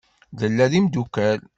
Nella d imdukal.